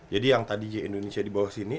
jadi yang tadi indonesia di bawah sini